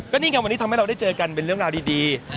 นี่ไงวันนี้ทำให้เราได้เจอกันเป็นเรื่องราวดี